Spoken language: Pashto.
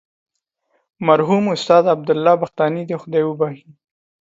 مرحوم استاد عبدالله بختانی دې خدای وبخښي.